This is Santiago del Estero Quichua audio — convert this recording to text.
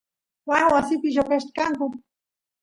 waas wasipi lloqachkanku